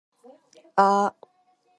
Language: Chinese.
近年来，数十名学子考入清华、北大